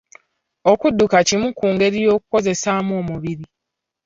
Okudduka kimu ku ngeri y'okukozesaamu omubiri